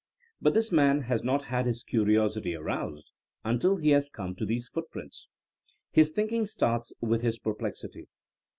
But this man has not had his curiosity aroused until he has come to these footprints. His thinking starts with his perplexity.